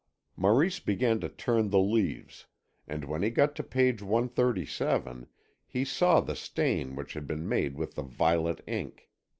Maurice began to turn the leaves, and when he got to page 137 he saw the stain which had been made with violet ink.